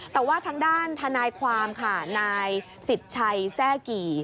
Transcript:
แต่ว่าทางด้านทนายความค่ะนายสิทธิ์ชัยแทร่กี่